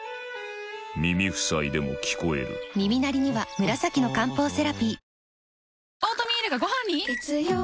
耳塞いでも聞こえる耳鳴りには紫の漢方セラピー